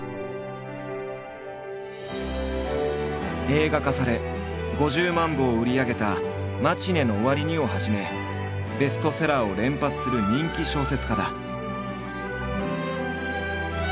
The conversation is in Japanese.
映画化され５０万部を売り上げた「マチネの終わりに」をはじめベストセラーを連発する人気小説家だ。